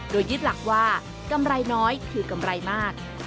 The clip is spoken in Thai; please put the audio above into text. โดยยึดหลักว่ากำไรน้อยคือกำไรมาก